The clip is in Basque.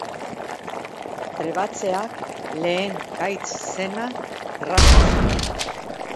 Trebatzeak lehen gaitz zena erraztu zion.